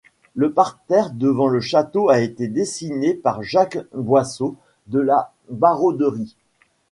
Le parterre devant le château a été dessiné par Jacques Boyceau de la Barauderie.